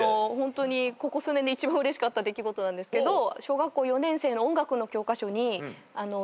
ここ数年で一番うれしかった出来事なんですけど小学校４年生の音楽の教科書に。